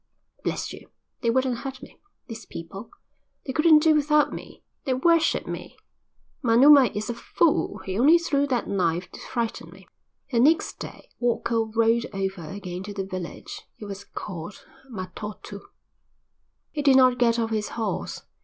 "Bless you, they wouldn't hurt me, these people. They couldn't do without me. They worship me. Manuma is a fool. He only threw that knife to frighten me." The next day Walker rode over again to the village. It was called Matautu. He did not get off his horse.